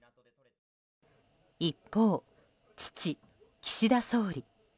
一方、父・岸田総理。